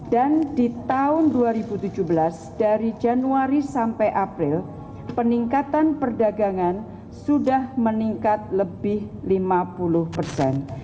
dan di tahun dua ribu tujuh belas dari januari sampai april peningkatan perdagangan sudah meningkat lebih lima puluh persen